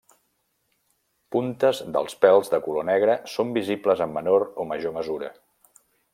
Puntes dels pèls de color negre són visibles en menor o major mesura.